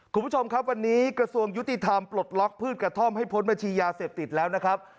คุณผู้ชมครับวันนี้กระทรวงยุติธรรมปลดล็อกพืชกระท่อมให้พ้นบัญชียาเสพติดแล้วนะครับ